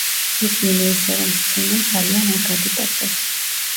უსმინო ისე, რომ სცენამ ძალიან არ გაგიტაცოს.